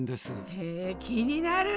へ気になる！